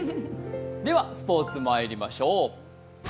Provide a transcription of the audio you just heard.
ではスポーツ、まいりましょう。